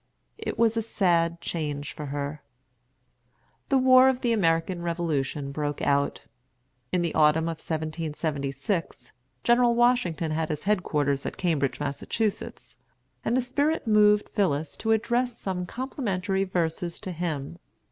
It was a sad change for her. The war of the American Revolution broke out. In the autumn of 1776 General Washington had his head quarters at Cambridge, Massachusetts; and the spirit moved Phillis to address some complimentary verses to him.